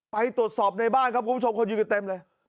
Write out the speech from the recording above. ไปตรวจสอบในบ้านครับคุณผู้ชมคนยืนกันเต็มเลย